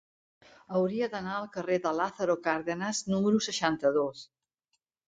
Hauria d'anar al carrer de Lázaro Cárdenas número seixanta-dos.